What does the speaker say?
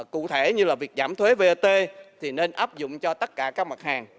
cụ thể như là việc giảm thuế vat thì nên áp dụng cho tất cả các mặt hàng